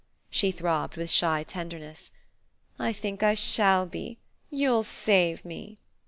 she throbbed with shy tenderness. "I think I shall be. You'll save me."